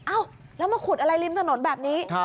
อ้าวแล้วมาขุดอะไรริมถนนแบบนี้